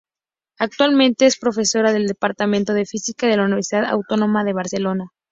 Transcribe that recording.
Actualmente es profesora del departamento de física de la Universidad Autónoma de Barcelona.